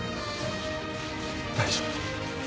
大丈夫。